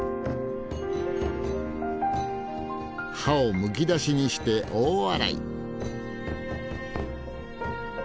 歯をむき出しにして大笑い。